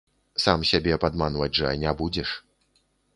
Сам сябе падманваць жа не будзеш.